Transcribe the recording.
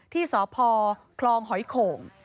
ที่สพคลองหอยโข่ง